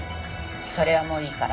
それはもういいから。